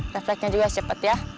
refleknya juga secepet ya